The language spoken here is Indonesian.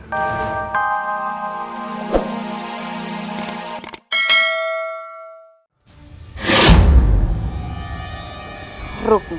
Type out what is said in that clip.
jika bukanlah aku pelakunya